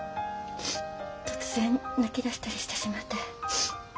突然泣きだしたりしてしまって。